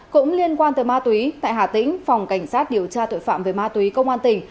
cũng liên quan tới ma túy tại hà tĩnh phòng cảnh sát điều tra tội phạm về ma túy công an tỉnh